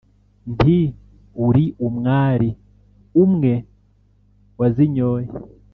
nti : „uri umwari umwe wazinyoye, ,